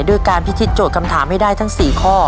ด้วยการพิธีโจทย์คำถามให้ได้ทั้ง๔ข้อ